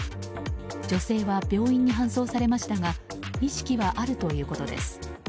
女性は、病院に搬送されましたが意識はあるということです。